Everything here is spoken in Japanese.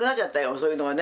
そういうのがね。